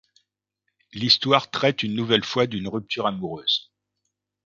L'histoire traîte une nouvelle fois d'une rupture amoureuse.